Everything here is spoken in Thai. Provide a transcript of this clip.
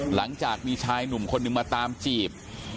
หลังจากมีชายหนุ่มคนหนึ่งมาตามจีบ